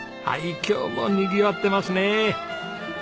はい今日もにぎわってますね。